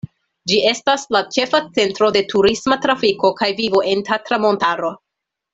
Ĝi estas la ĉefa centro de turisma trafiko kaj vivo en Tatra-montaro.